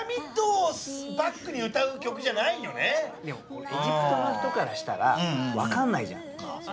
やっぱり何かでもエジプトの人からしたら分かんないじゃん。